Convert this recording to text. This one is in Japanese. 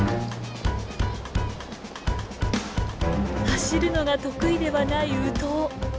走るのが得意ではないウトウ。